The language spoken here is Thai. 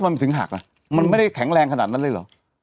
มันถึงหักอ่ะมันไม่ได้แข็งแรงขนาดนั้นเลยเหรอ